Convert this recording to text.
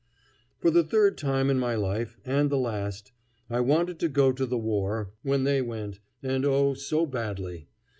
For the third time in my life, and the last, I wanted to go to the war, when they went, and oh! so badly.